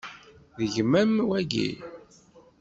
D gma-m wagi?